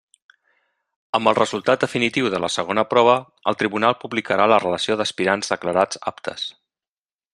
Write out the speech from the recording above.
Amb el resultat definitiu de la segona prova, el tribunal publicarà la relació d'aspirants declarats aptes.